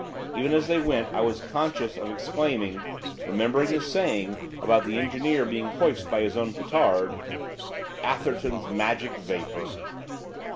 Even as they went I was conscious of exclaiming, remembering the saying about the engineer being hoist by his own petard, 'Atherton's Magic Vapour!